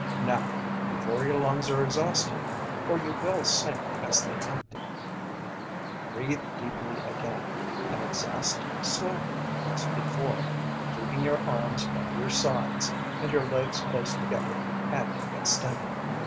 Now, before your lungs are exhausted, for you will sink as they empty, breathe deeply again and exhaust slowly as before, keeping your arms by your sides and your legs close together and extended.